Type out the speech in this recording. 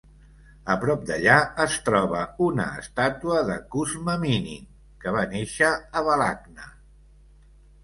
A prop d'allà es troba una estàtua de Kuzma Minin, que va néixer a Balakhna.